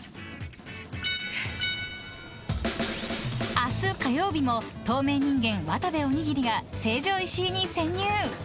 明日火曜日も透明人間・渡部おにぎりが成城石井に潜入！